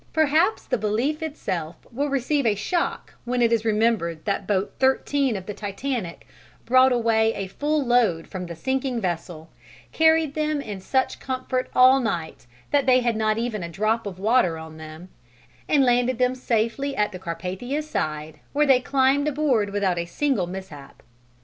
Perhaps the belief itself will receive a shock when it is remembered that boat 13 of the Titanic brought away a full load from the sinking vessel, carried them in such comfort all night that they had not even a drop of water on them, and landed them safely at the Carpathia's side, where they climbed aboard without a single mishap.